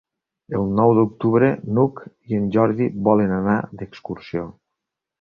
El nou d'octubre n'Hug i en Jordi volen anar d'excursió.